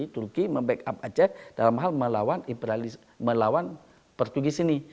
turki membackup aceh dalam hal melawan portugis ini